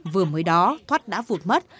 vừa mới đó thoát đã vụt mất